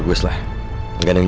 putri tolong putri